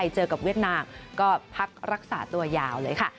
เจอกับเวียดนามก็พักรักษาตัวยาวเลยค่ะ